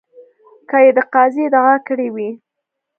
که یې د قاضي ادعا کړې وي.